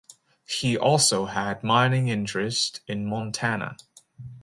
He also had mining interests in Montana.